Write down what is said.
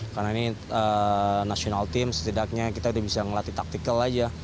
karena ini nasional team setidaknya kita bisa ngelatih taktikal aja